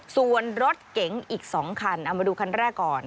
ส่วนรถเก๋งอีก๒คันเอามาดูคันแรกก่อน